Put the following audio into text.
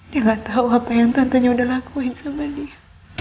dia gak tahu apa yang tantenya udah lakuin sama dia